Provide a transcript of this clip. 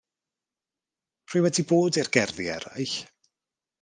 Rwy wedi bod i'r gerddi eraill.